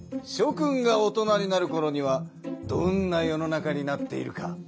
君が大人になるころにはどんな世の中になっているか。